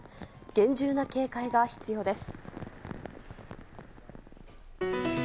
厳重な警戒が必要です。